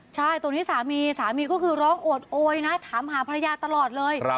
ใช่ตอนนี้สามีสามีก็คือร้องโอดโอยนะถามหาภรรยาตลอดเลย